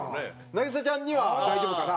凪咲ちゃんには大丈夫かな？